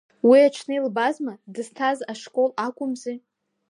Уи аҽны илбазма, дызҭаз ашкол акәымзи.